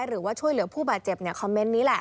หรือว่าช่วยเหลือผู้บาดเจ็บคอมเมนต์นี้แหละ